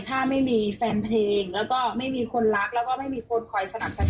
ถ้าไม่มีแฟนเพลงแล้วก็ไม่มีคนรักแล้วก็ไม่มีคนคอยสนับสนุน